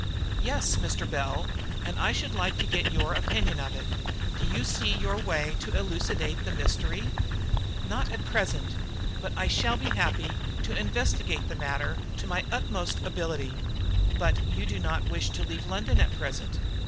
"Yes, Mr. Bell, and I should like to get your opinion of it. Do you see your way to elucidate the mystery?" "Not at present; but I shall be happy to investigate the matter to my utmost ability." "But you do not wish to leave London at present?"